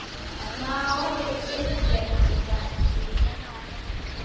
Mao w'aw'edidekia vindo va nakenyi